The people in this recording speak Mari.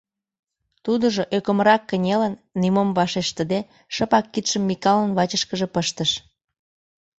Тудыжо ӧкымрак кынелын, нимом вашештыде шыпак кидшым Микалын вачышкыже пыштыш.